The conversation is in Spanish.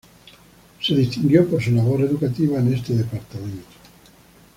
Se distinguió por su labor educativa en este departamento.